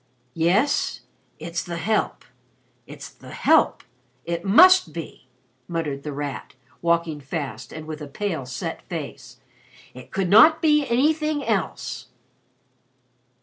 "Yes, it's the Help it's the Help it must be," muttered The Rat, walking fast and with a pale, set face. "It could not be anything else."